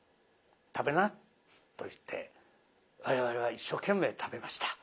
食べな」と言って我々は一生懸命食べました。